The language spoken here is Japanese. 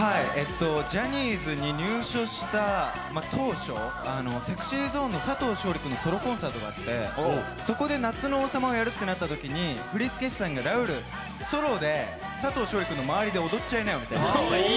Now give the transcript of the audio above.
ジャニーズに入所した当初、ＳｅｘｙＺｏｎｅの佐藤勝利さんのソロコンサートがあって、そこで「夏の王様」をやるってなったときに振付師さんがラウール、ソロで佐藤勝利君の周りで踊っちゃいなよと。